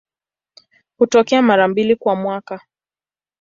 Hutokea mara mbili kwa mwaka.